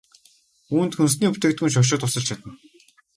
Үүнд хүнсний бүтээгдэхүүний шошго тусалж чадна.